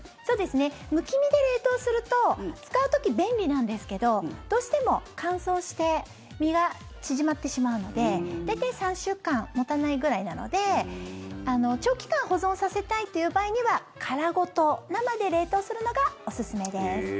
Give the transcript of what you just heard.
むき身で冷凍すると使う時便利なんですけどどうしても乾燥して身が縮まってしまうので大体３週間持たないくらいなので長期間保存させたいという場合には殻ごと生で冷凍するのがおすすめです。